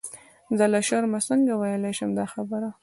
زه له شرمه څنګه ویلای شم دا خبره.